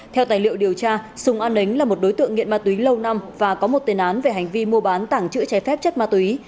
theo tài liệu điều tra sùng an ấnh là một đối tượng nghiện ma túy lâu năm và có một tên án về hành vi mua bán tảng chữ trái phép chất ma túy